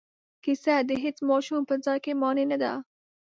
کیسه د هیڅ ماشوم په ځای کې مانع نه دی.